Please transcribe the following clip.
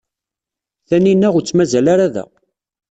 Tanina ur tt-mazal ara da.